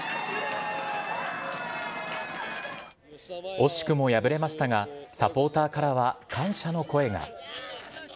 惜しくも敗れましたが、サポーターからは感謝の声が。